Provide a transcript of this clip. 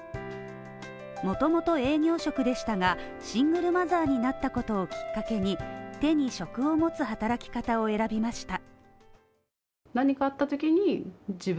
元々営業職でしたが、シングルマザーになったことをきっかけに、手に職を持つ働き方を選びました。